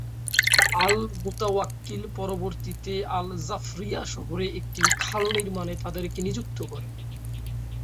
আল-মুতাওয়াক্কিল পরবর্তীতে আল-জাফরিয়্যা শহরে একটি খাল নির্মাণে তাদেরকে নিযুক্ত করেন।